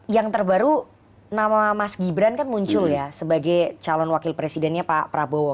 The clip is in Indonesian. yang terbaru nama mas gibran kan muncul ya sebagai calon wakil presidennya pak prabowo